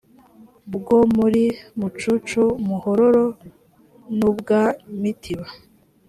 bwo muri mucucu muhororo n ubwa mitiba